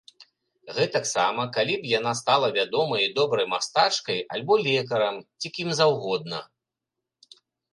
Гэтаксама, калі б яна стала вядомай і добрай мастачкай, альбо лекарам, ці кім заўгодна!